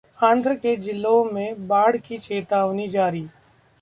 आंध्र के जिलों में बाढ की चेतावनी जारी